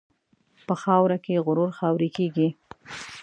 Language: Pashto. په خاوره کې غرور خاورې کېږي.